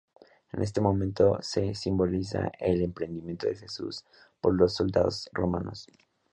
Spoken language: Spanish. En este momento se simboliza "El Prendimiento de Jesús" por los soldados romanos.